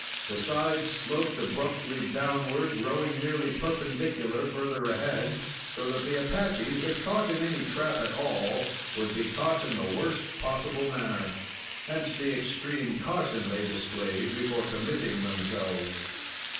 The sides sloped abruptly downward, growing nearly perpendicular further ahead, so that the Apaches, if caught in any trap at all, would be caught in the worst possible manner. Hence the extreme caution they displayed before committing themselves.